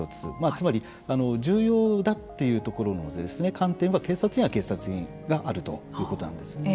つまり、重要だというところの観点は警察には警察があるということなんですね。